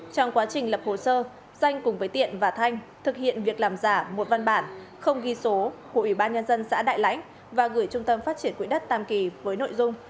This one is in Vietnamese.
trong quá trình lập hồ sơ danh cùng với tiện và thanh thực hiện việc làm giả một văn bản không ghi số của ủy ban nhân dân xã đại lãnh và gửi trung tâm phát triển quỹ đất tam kỳ với nội dung